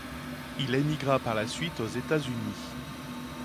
Il émigra par la suite aux États-Unis.